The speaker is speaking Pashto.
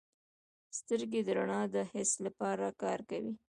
سترګې د رڼا د حس لپاره کار کوي.